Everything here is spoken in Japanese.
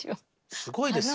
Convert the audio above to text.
すごいですよね。